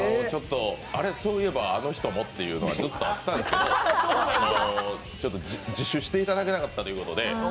あれ、そういえばあの人もっていうのがあったんですけど、自首していただけなかったということで。